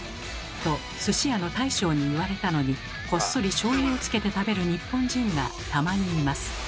とすし屋の大将に言われたのにこっそりしょうゆをつけて食べる日本人がたまにいます。